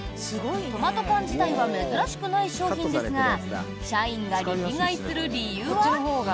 トマト缶自体は珍しくない商品ですが社員がリピ買いする理由は。